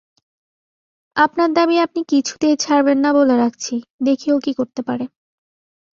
আপনার দাবি আপনি কিছুতেই ছাড়বেন না বলে রাখছি, দেখি ও কী করতে পারে।